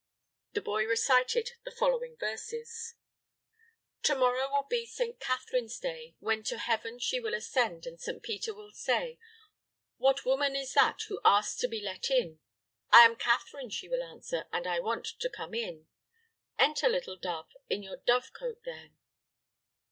The boy recited the following verses: "To morrow will be St. Catherine's day, When to heaven she will ascend and St. Peter will say, 'What woman is that who asks to be let in?' 'I am Catherine,' she will answer, 'and I want to come in.' 'Enter, little dove, in your dove cote, then.'"